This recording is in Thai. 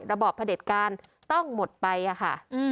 ระบอบพระเด็จการต้องหมดไปค่ะ